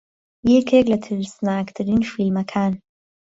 یەکێک لە ترسناکترین فیلمەکان